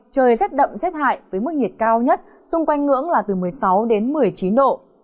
trời rét đậm rét hại với mức nhiệt cao nhất xung quanh ngưỡng là từ một mươi sáu đến một mươi chín độ